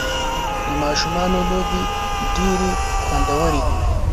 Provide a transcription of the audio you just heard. د ماشومانو لوبې ډېرې خوندورې دي.